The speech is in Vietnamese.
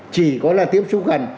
chỉ có là tiếp xúc gần